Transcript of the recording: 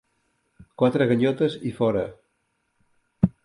Quatre ganyotes i fora.